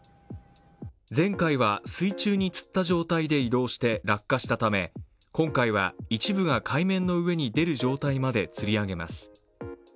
前回は水中につった状態で移動して落下したため今回は、一部が海面の上に出る状態までつり上げます。